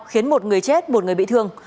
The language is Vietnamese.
khiến một người chết một người bị thương